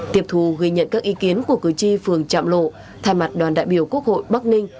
tip thù ghi nhận các ý kiến của cử tri phường trạm lộ thay mặt đoàn đại biểu quốc hội bắc ninh